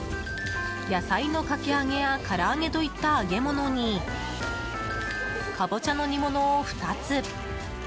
野菜のかき揚げやから揚げといった揚げ物にカボチャの煮物を２つ。